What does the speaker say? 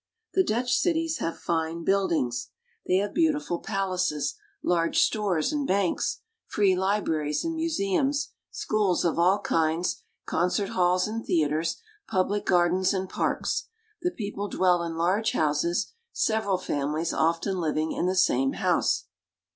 The Dutch cities have fine buildings ; they have beauti 146 THE NETHERLANDS. ful palaces, large stores and banks, free libraries and museums, schools of all kinds, concert halls and theaters, public gardens and parks. The people dwell in large houses, several families often living in the same house.